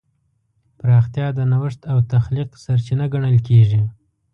پراختیا د نوښت او تخلیق سرچینه ګڼل کېږي.